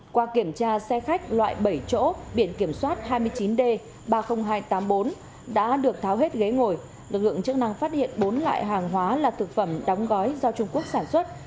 qua kiểm tra xe khách loại bảy chỗ biển kiểm soát hai mươi chín d ba mươi nghìn hai trăm tám mươi bốn đã được tháo hết ghế ngồi lực lượng chức năng phát hiện bốn loại hàng hóa là thực phẩm đóng gói do trung quốc sản xuất